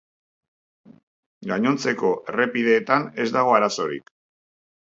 Gainontzeko errepideetan ez dago arazorik.